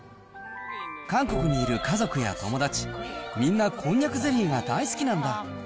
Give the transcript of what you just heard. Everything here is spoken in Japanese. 韓国にいる家族や友達、みんな、こんにゃくゼリーが大好きなんだ。